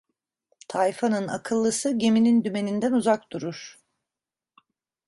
Tayfanın akıllısı, geminin dümeninden uzak durur.